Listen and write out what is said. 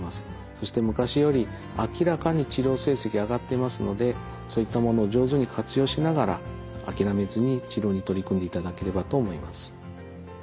そして昔より明らかに治療成績が上がっていますのでそういったものを上手に活用しながら諦めずに治療に取り組んでいただければと思います。